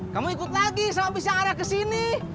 kamu ikut lagi sama bis yang arah kesini